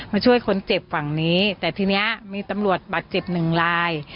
มาช่วยคนเจ็บฝั่งนี้แต่ทีนี้มีตำรวจบาดเจ็บหนึ่งลาย